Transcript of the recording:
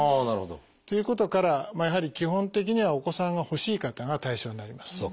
なるほど。ということからやはり基本的にはお子さんが欲しい方が対象になります。